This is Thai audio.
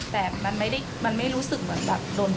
โดนแพงอะไรอย่างนั้นมันรู้สึก